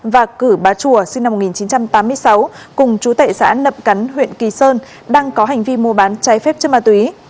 và cử bà chùa sinh năm một nghìn chín trăm tám mươi sáu cùng chú tệ xã nậm cắn huyện kỳ sơn đang có hành vi mua bán trái phép chất ma túy